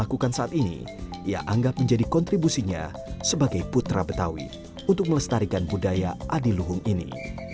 yang saat ini ia anggap menjadi kontribusinya sebagai putra betawi untuk melestarikan budaya adiluhung ini